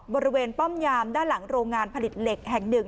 ป้อมยามด้านหลังโรงงานผลิตเหล็กแห่งหนึ่ง